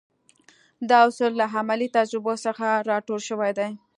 دا اصول له عملي تجربو څخه را ټول شوي دي.